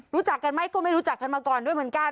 รู้จักกันไหมก็ไม่รู้จักกันมาก่อนด้วยเหมือนกัน